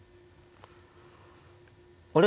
あれ？